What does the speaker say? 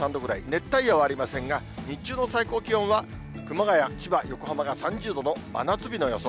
熱帯夜はありませんが、日中の最高気温は熊谷、千葉、横浜が３０度の真夏日の予想。